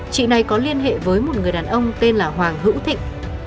chị này có liên hệ với một người đàn ông tên là hoàng hữu thịnh